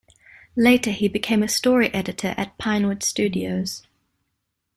Later he became a story editor at Pinewood Studios.